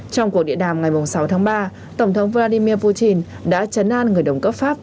trong cuộc điện đàm ngày sáu tháng ba tổng thống vladimir putin đã chấn an người đồng cấp pháp